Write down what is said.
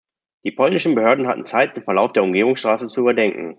Die polnischen Behörden hatten Zeit, den Verlauf der Umgehungsstraße zu überdenken.